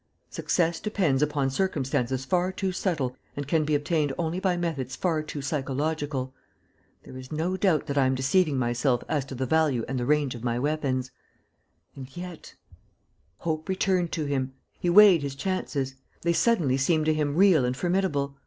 "Success depends upon circumstances far too subtle and can be obtained only by methods far too psychological. ... There is no doubt that I am deceiving myself as to the value and the range of my weapons. ... And yet ..." Hope returned to him. He weighed his chances. They suddenly seemed to him real and formidable.